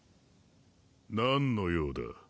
何の用だ？